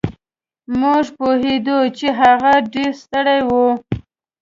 مونږ پوهېدو چې هغه ډېر ستړی و.